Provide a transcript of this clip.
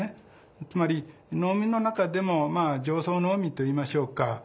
つまり農民の中でも上層農民といいましょうか。